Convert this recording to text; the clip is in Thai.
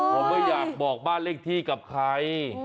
ผมไม่อยากบอกบ้านเลขที่กับใคร